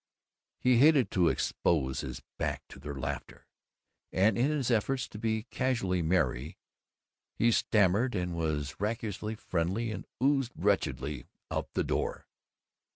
He hated to expose his back to their laughter, and in his effort to be casually merry he stammered and was raucously friendly and oozed wretchedly out of the door.